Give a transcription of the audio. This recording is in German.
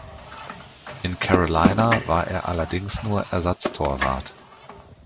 In Carolina war er allerdings nur Ersatztorwart.